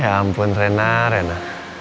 ya ampun rena